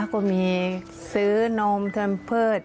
ป้าก็มีซื้อนมทำเพิศ